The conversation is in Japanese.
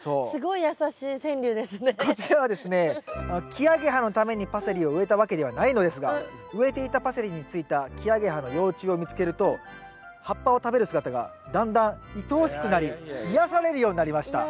「キアゲハのためにパセリを植えたわけではないのですが植えていたパセリについたキアゲハの幼虫を見つけると葉っぱを食べる姿がだんだんいとおしくなり癒やされるようになりました」。